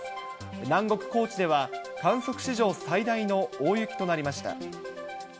南国高知では、観測史上最大の大雪となりました。